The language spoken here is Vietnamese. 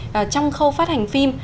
trong khâu phát hành phim